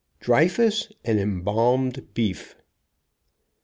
DREYFUS AND EMBALMED BEEF.